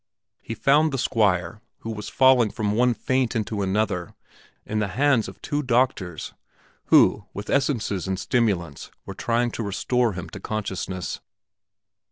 He found the Squire, who was falling from one faint into another, in the hands of two doctors, who with essences and stimulants were trying to restore him to consciousness.